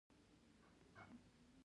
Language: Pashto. آیا د لغمان وریجې مشهورې دي؟